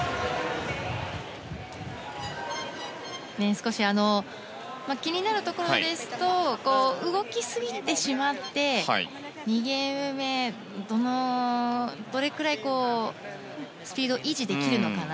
少し気になるところですと動きすぎてしまって、２ゲーム目どれくらいスピードを維持できるのかな。